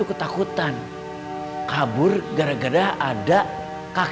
kaget sama hantu kaya gitu doang